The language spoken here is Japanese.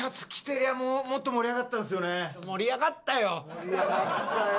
盛り上がったよ。